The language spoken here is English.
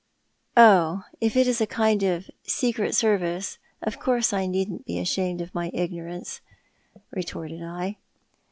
"Oh, if it is a kind of secret service of course I needn't be ashamed of my ignorance," retorted I.